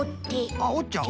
あっおっちゃう？